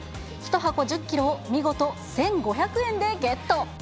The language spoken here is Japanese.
１箱１０キロを見事１５００円でゲット。